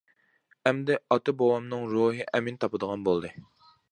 ئەمدى ئاتا-بوۋامنىڭ روھى ئەمىن تاپىدىغان بولدى.